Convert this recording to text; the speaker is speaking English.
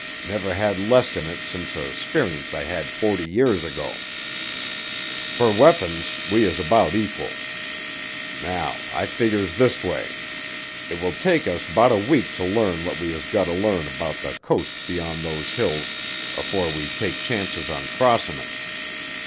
Never had less in it since a 'sperience I had forty year ago. Fer weapins we is 'bout equal. Now I figgers this way; it will take us 'bout a week to learn what we has gotter learn 'bout the coast beyond those hills afore we takes chances on crossin' 'em.